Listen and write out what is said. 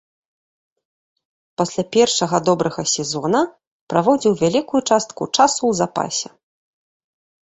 Пасля першага добрага сезона праводзіў вялікую частку часу ў запасе.